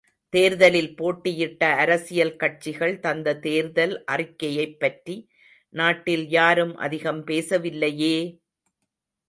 தேர்தலில் போட்டியிட்ட அரசியல் கட்சிகள் தந்த தேர்தல் அறிக்கையைப் பற்றி நாட்டில் யாரும் அதிகம் பேசவில்லையே!